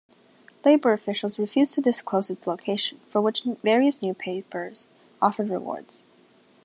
Labour officials refused to disclose its location, for which various newspapers offered rewards.